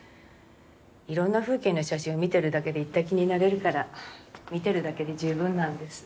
いろんな風景の写真を見てるだけで行った気になれるから見てるだけで十分なんです。